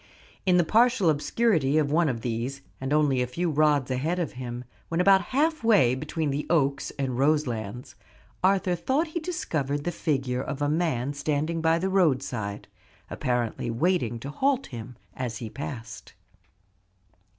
In the partial obscurity of one of these, and only a few rods ahead of him, when about half way between the Oaks and Roselands, Arthur thought he discovered the figure of a man standing by the roadside, apparently waiting to halt him as he passed.